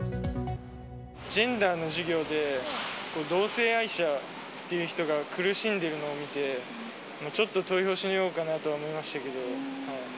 ジェンダーの授業で、同性愛者っていう人が苦しんでいるのを見て、ちょっと投票してみようかなとは思いましたけど。